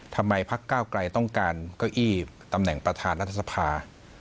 พักก้าวไกลต้องการเก้าอี้ตำแหน่งประธานรัฐสภา